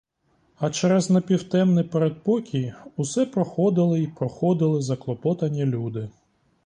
А через напівтемний передпокій усе проходили й проходили заклопотані люди.